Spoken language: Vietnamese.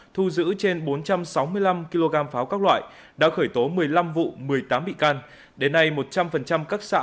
thu giữ trên bốn trăm sáu mươi năm kg pháo các loại đã khởi tố một mươi năm vụ một mươi tám bị can đến nay một trăm linh các xã